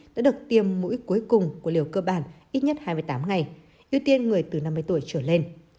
đã được tiêm mũi cuối cùng của liều cơ bản ít nhất hai mươi tám ngày ưu tiên người từ năm mươi tuổi trở lên